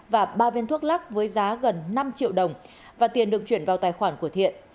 và ba viên thuốc lắc với giá gần năm triệu đồng và tiền được chuyển vào tài khoản của thiện